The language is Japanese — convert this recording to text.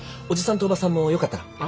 おじさんとおばさんもよかったら。